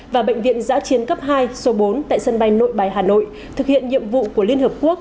và bệnh viện giã chiến cấp hai số bốn tại sân bay nội bài hà nội thực hiện nhiệm vụ của liên hợp quốc